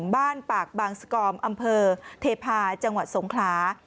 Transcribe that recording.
บ้านปากบางสกอมอำเภอเทพาะจังหวัดสงขลา